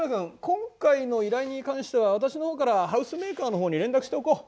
今回の依頼に関しては私のほうからハウスメーカーのほうに連絡しておこう。